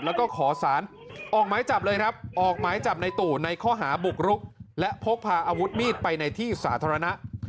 แล้วก็ขอสารออกหมายจับเลยครับออกหมายจับในตู่ในข้อหาบุกรุกและพกพาอาวุธมีดไปในที่สาธารณะ